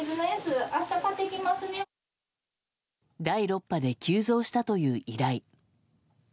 第６波で急増したという依頼。